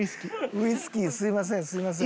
ウイスキーすみません。